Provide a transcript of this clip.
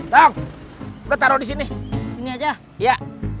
toh udah taruh di sini sini aja ya